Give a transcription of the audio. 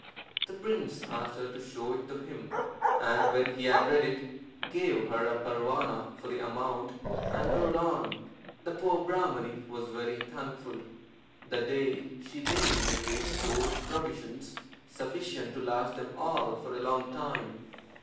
The prince asked her to show it to him, and when he had read it gave her a parwana for the amount, and rode on. The poor Brahmani was very thankful. That day she laid in a great store of provisions, sufficient to last them all for a long time.